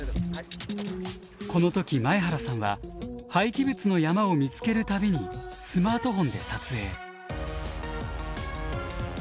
この時前原さんは廃棄物の山を見つける度にスマートフォンで撮影。